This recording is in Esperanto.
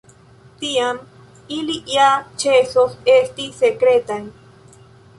Tiam ili ja ĉesos esti sekretaj.